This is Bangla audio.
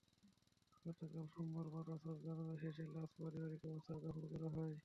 গতকাল সোমবার বাদ আসর জানাজা শেষে লাশ পারিবারিক কবরস্থানে দাফন করা হয়।